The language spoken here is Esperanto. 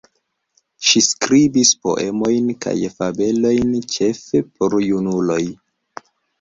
Ŝi skribis poemojn kaj fabelojn ĉefe por junuloj.